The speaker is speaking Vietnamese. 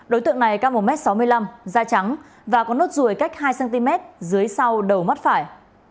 đối tượng này cao một m sáu mươi năm da trắng và có nốt ruồi cách hai cm dưới sau đầu mắt phải